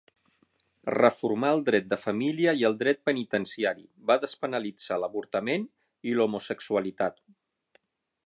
Reformà el dret de família i el dret penitenciari, va despenalitzar l'avortament i l'homosexualitat.